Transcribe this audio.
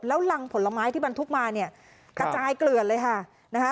แล้วรังผลไม้ที่บรรทุกมาเนี่ยกระจายเกลือนเลยค่ะนะคะ